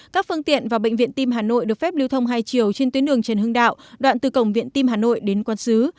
các phương tiện và bệnh viện tim hà nội được phép lưu thông hai chiều trên tuyến đường trần hưng đạo đoạn từ cổng viện tim hà nội đến quán xứ